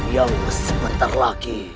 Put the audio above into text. yang sebentar lagi